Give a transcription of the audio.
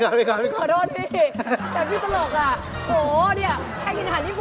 ไปก่อนขอโทษพี่